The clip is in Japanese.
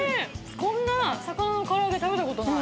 こんな魚の唐揚げ、食べたことない！